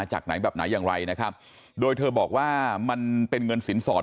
จากไหนแบบไหนอย่างไรนะครับโดยเธอบอกว่ามันเป็นเงินสินสอด